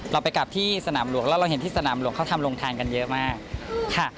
เราไปกลับที่สนามหลวงแล้วเราเห็นที่สนามหลวงเขาทำโรงทานกันเยอะมากค่ะ